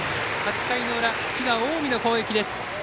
８回の裏、滋賀・近江の攻撃です。